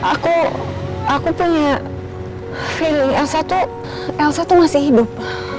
aku aku punya feeling yang satu elsa tuh masih hidup